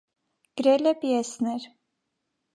Գրել է պիեսներ։